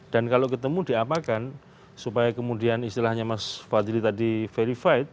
dan kalau ketemu diapakan supaya kemudian istilahnya mas fadli tadi verified